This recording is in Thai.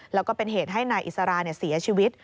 แล้วก็เป็นเหตุให้นายอิสราเสียชีวิต